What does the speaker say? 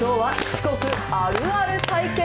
四国あるある対決？